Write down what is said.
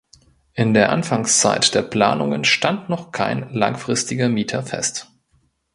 In der Anfangszeit der Planungen stand noch kein langfristiger Mieter fest.